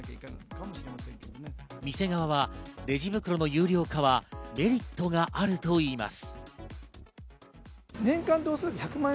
店側はレジ袋の有料化はメリットがあるといいます。